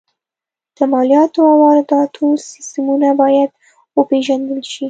د مالیاتو او وارداتو سیستمونه باید وپېژندل شي